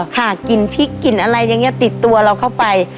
ค่ะกลิ่นพริกกลิ่นอะไรอย่างนี้ติดตัวเราเข้าไป